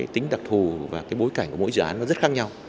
tính đặc thù và bối cảnh của mỗi dự án rất khác nhau